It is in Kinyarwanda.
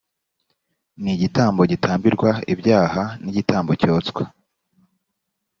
n igitambo gitambirwa ibyaha n igitambo cyoswa